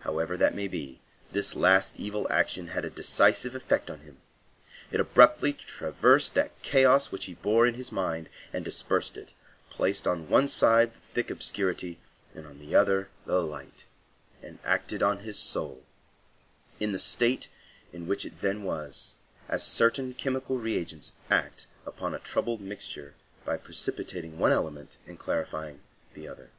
However that may be, this last evil action had a decisive effect on him; it abruptly traversed that chaos which he bore in his mind, and dispersed it, placed on one side the thick obscurity, and on the other the light, and acted on his soul, in the state in which it then was, as certain chemical reagents act upon a troubled mixture by precipitating one element and clarifying the other.